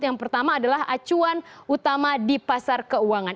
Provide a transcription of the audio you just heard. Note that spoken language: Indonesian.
yang pertama adalah acuan utama di pasar keuangan